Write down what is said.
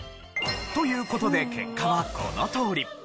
という事で結果はこのとおり。